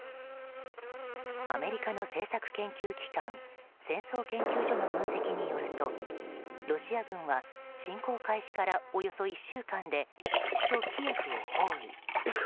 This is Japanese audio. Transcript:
アメリカの政策研究機関戦争研究所の分析によるとロシア軍は侵攻開始から、およそ１週間で首都キエフを包囲。